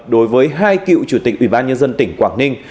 đối với hai cựu chủ tịch ủy ban nhân dân tỉnh quảng ninh